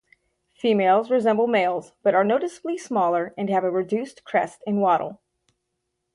Females resemble males, but are noticeably smaller and have a reduced crest and wattle.